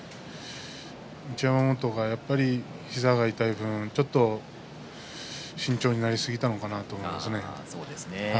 一山本がやっぱり膝が痛い分ちょっと慎重になりすぎたのかなと思いますね。